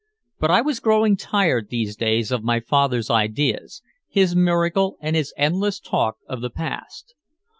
But I was growing tired these days of my father's idea, his miracle and his endless talk of the past.